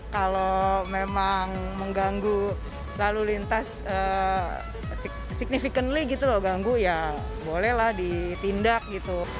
kalau memang mengganggu lalu lintas significally gitu loh ganggu ya bolehlah ditindak gitu